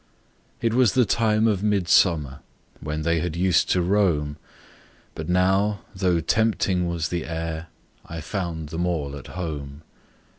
It was the time of midsummer When they had used to roam; But now, though tempting was the air, I found them all at home.